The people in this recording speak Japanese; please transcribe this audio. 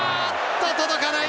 届かない！